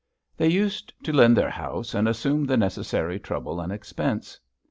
They used to lend their house and assume the necessary trouble and expense.